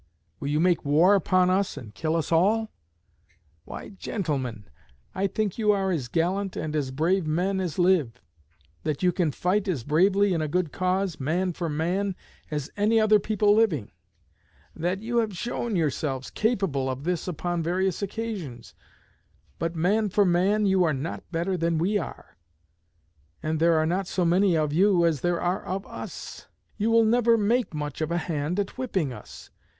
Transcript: Will you make war upon us and kill us all? Why, gentlemen, I think you are as gallant and as brave men as live; that you can fight as bravely in a good cause, man for man, as any other people living; that you have shown yourselves capable of this upon various occasions; but man for man, you are not better than we are, and there are not so many of you as there are of us. You will never make much of a hand at whipping us.